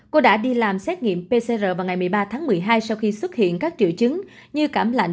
cô đã đi làm xét nghiệm pcr vào ngày một mươi ba tháng một mươi hai sau khi xuất hiện các triệu chứng như cảm lạnh